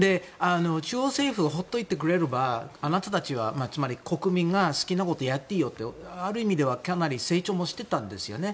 中央政府が放っておいてくれれば国民は好きなことをやっていいよとある意味ではかなり成長もしてたんですよね。